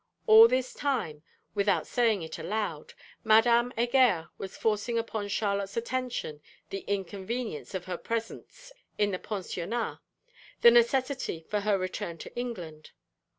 All this time (without saying it out aloud) Madame Heger was forcing upon Charlotte's attention, the 'inconvenience' of her presence in the Pensionnat; the necessity for her return to England.